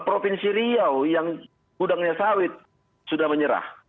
provinsi riau yang gudangnya sawit sudah menyerah